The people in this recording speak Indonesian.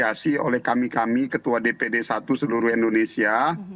diasi oleh kami kami ketua dpd satu seluruh indonesia